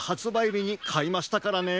びにかいましたからね。